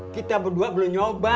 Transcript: kita berdua belum nyoba